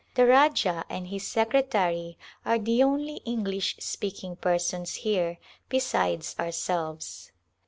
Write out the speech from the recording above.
The Rajah and his secre tary are the only English speaking persons here beside ourselves.